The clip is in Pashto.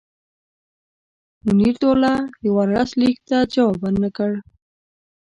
منیرالدوله د ورلسټ لیک ته جواب ورنه کړ.